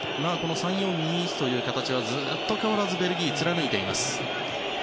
３−４−２−１という形はずっと変わらずベルギーは貫いています。